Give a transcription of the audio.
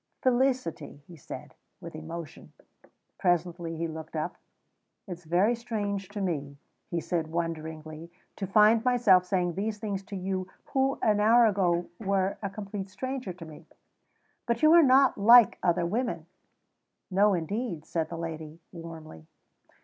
"Felicity," he said, with emotion. Presently he looked up. "It is very strange to me," he said wonderingly, "to find myself saying these things to you who an hour ago were a complete stranger to me. But you are not like other women." "No, indeed!" said the lady, warmly.